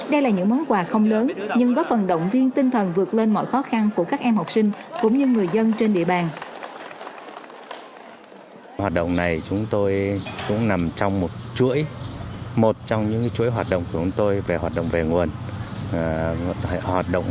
đây là những món quà không lớn nhưng có phần động viên tinh thần vượt lên mọi khó khăn